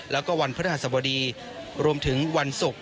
แล้วก็วันพฤหัสบดีรวมถึงวันศุกร์